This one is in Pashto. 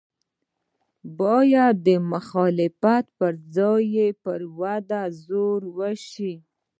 باید د مخالفت پر ځای یې پر ودې زور وشي.